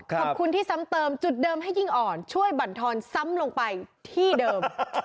ขอบคุณที่ซ้ำเติมจุดเดิมให้ยิ่งอ่อนช่วยบรรทอนซ้ำลงไปที่เดิม